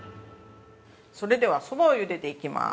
◆それでは、そばをゆでていきます。